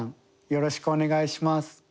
よろしくお願いします。